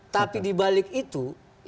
tapi di balik itu